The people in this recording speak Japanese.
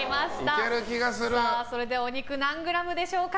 それではお肉、何グラムでしょうか。